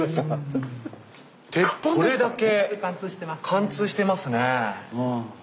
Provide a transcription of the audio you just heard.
これだけ貫通してますね。